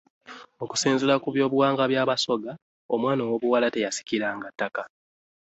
Okusinziira ku byobuwangwa by'a Basoga, omwana owoobuwala teyasikiranga ttaka.